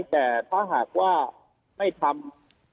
แต่ถ้าหากว่าไม่ทำ